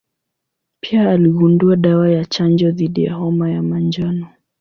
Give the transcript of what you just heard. Pia aligundua dawa ya chanjo dhidi ya homa ya manjano.